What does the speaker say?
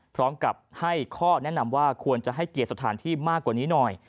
พร้อมกับให้ข้อแนะนำว่าควรจะให้เกียรติสถานที่มากกว่านี้หน่อย